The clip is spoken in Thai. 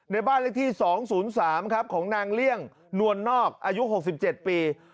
บ้านเลขที่๒๐๓ครับของนางเลี่ยงนวลนอกอายุ๖๗ปี